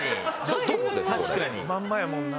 まんまやもんな。